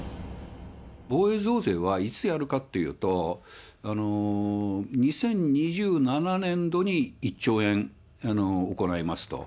防衛増税はいつやるかっていうと、２０２７年度に１兆円行いますと。